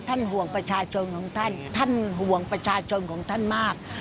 ท่านห่วงประชาชนของท่านท่านห่วงประชาชนของท่านมาก